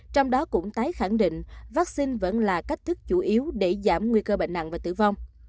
trong đó cũng tái khẳng định vaccine vẫn là cách thức chủ yếu để giảm nguy cơ bệnh nặng và tử vong